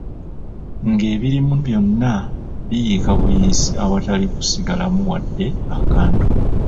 Ng'ebirimu byonna biyiika buyiisi awatali kusigalamu wadde akantu!